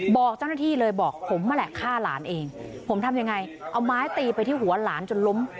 บอกเจ้าหน้าที่เลยบอกผมนั่นแหละฆ่าหลานเองผมทำยังไงเอาไม้ตีไปที่หัวหลานจนล้ม